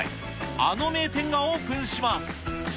あの名店がオープンします。